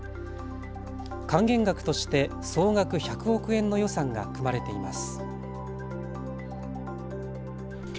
還元額として総額１００億円の予算が組まれています。